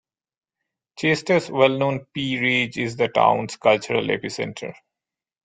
Chester's well known Pea Ridge is the town's cultural epicenter.